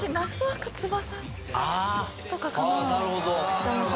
なるほど。